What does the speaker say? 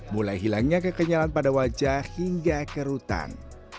mulai hilangnya kekenyalan pada wajah hingga kerutan